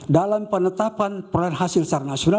dalam penetapan peran hasil secara nasional